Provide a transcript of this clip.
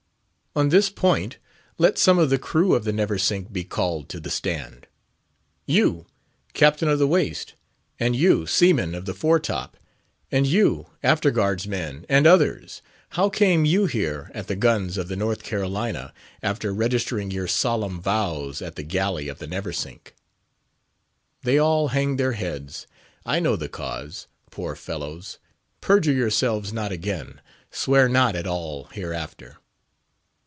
On this point, let some of the crew of the Neversink be called to the stand. You, Captain of the Waist! and you, seamen of the fore top! and you, after guard's men and others! how came you here at the guns of the North Carolina, after registering your solemn vows at the galley of the Neversink? They all hang their heads. I know the cause; poor fellows! perjure yourselves not again; swear not at all hereafter.